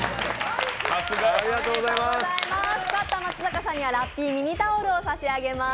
勝った松坂さんにはラッピーミニタオルをプレゼントします。